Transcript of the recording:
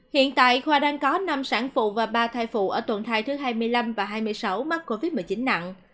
hiện tại khoa đang có năm sản phụ và ba thai phụ ở tuần thai thứ hai mươi năm và hai mươi sáu mắc covid một mươi chín nặng